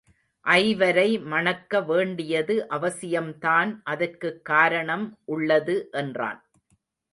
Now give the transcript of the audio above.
ஐவரை மணக்க வேண்டியது அவசியம்தான் அதற்குக் காரணம் உள்ளது என்றான்.